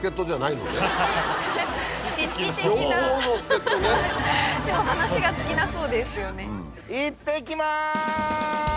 いってきます！